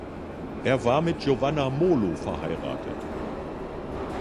Er war mit Giovanna Molo verheiratet.